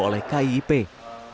ini adalah laporan yang dibawa oleh kiip